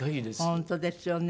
本当ですよね。